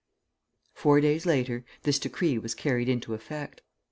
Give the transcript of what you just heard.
Four days later, this decree was carried into effect.